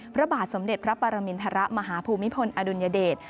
พระบาทสมเด็จพระปรมินทรมาฮภูมิพลอดุลยเดช